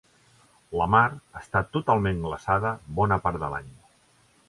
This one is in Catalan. La mar està totalment glaçada bona part de l'any.